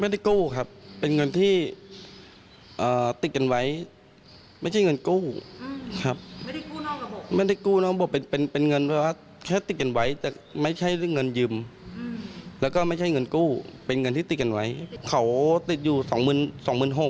ทุกวัง๓อะไรแหละทุกครั้งกลัวนี้มันยังติดปริวเออติดช่วงโพวิดฯกับอะไรพวกนี้